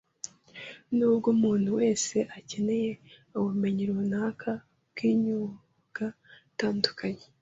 Nubwo umuntu wese akeneye ubumenyi runaka bw’imyuga itandukanye